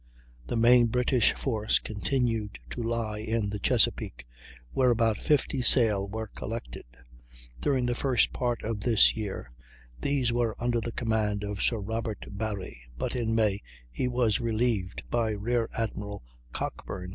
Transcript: The main British force continued to lie in the Chesapeake, where about 50 sail were collected. During the first part of this year these were under the command of Sir Robert Barrie, but in May he was relieved by Rear Admiral Cockburn.